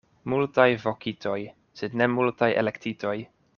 Multaj vokitoj, sed ne multaj elektitoj.